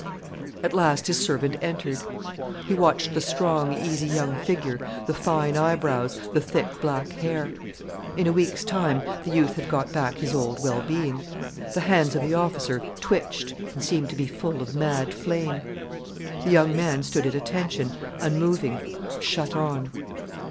At last his servant entered. He watched the strong, easy young figure, the fine eyebrows, the thick black hair. In a week's time the youth had got back his old well being. The hands of the officer twitched and seemed to be full of mad flame. The young man stood at attention, unmoving, shut on.